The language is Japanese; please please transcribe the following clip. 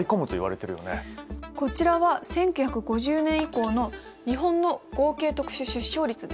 こちらは１９５０年以降の日本の合計特殊出生率です。